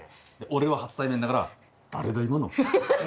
俺は初対面だから「誰だ？今の」。